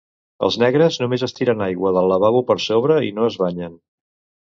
Els negres només és tiren aigua del lavabo per sobre i no es banyen